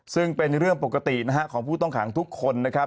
ซึ่งเป็นเรื่องปกตินะฮะของผู้ต้องขังทุกคนนะครับ